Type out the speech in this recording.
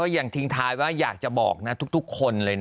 อย่างทิ้งท้ายว่าอยากจะบอกทุกคน